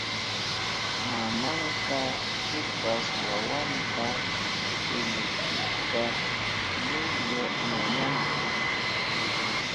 Mamanka shipas wawanta pilluchishka llullu ñañanta.